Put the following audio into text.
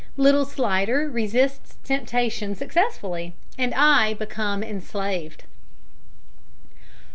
LITTLE SLIDDER RESISTS TEMPTATION SUCCESSFULLY, AND I BECOME ENSLAVED.